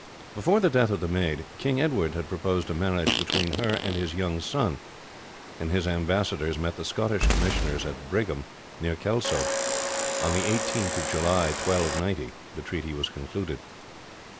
"Before the death of the maid, King Edward had proposed a marriage between her and his young son, and his ambassadors met the Scottish commissioners at Brigham, near Kelso, and on the 18th of July, 1290, the treaty was concluded.